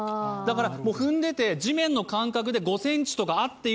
踏んでいて、地面の感覚で５ｃｍとか。